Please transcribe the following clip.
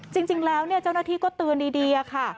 จริงแล้วเจ้าหน้าที่ก็เตือนดีค่ะ